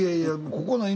ここの犬